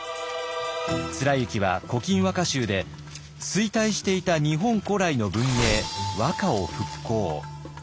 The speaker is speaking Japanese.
貫之は「古今和歌集」で衰退していた日本古来の文明和歌を復興。